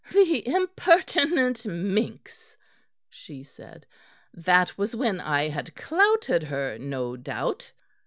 "The impertinent minx!" she said, "that was when I had clouted her, no doubt."